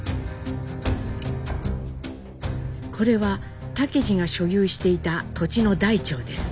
これは竹次が所有していた土地の台帳です。